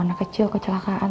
anak kecil kecelakaan